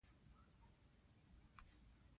ازادي راډیو د حیوان ساتنه په اړه د نوښتونو خبر ورکړی.